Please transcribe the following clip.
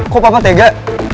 kok papa tega